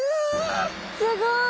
すごい！